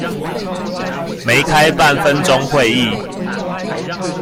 沒開半分鐘會議